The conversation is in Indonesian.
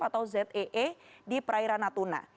atau zee di perairan natuna